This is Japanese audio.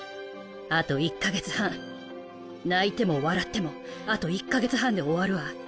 あと１か月半泣いても笑ってもあと１か月半で終わるわ。